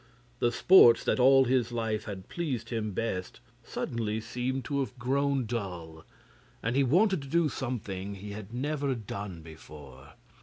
The sports that all his life had pleased him best suddenly seemed to have grown dull, and he wanted to do something he had never done before.